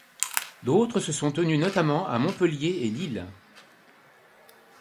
D'autres se sont tenus notamment à Montpellier et Lille.